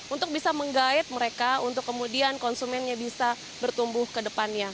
untuk bisa menggait mereka untuk kemudian konsumennya bisa bertumbuh ke depannya